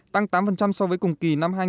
tăng tám so với cùng kỳ năm hai nghìn một mươi